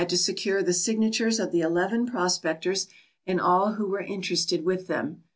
THE STORY OF KENNECOTT secure the signatures of the eleven prospectors and all who were interested with them.